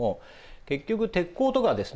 結局鉄鋼とかですね